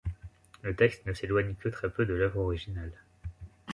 Le texte ne s'éloigne que très peu de l'œuvre originale.